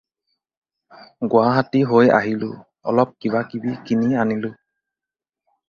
গুৱাহাটী হৈ আহিলোঁ, অলপ কিবা কিবি কিনি আনিলোঁ।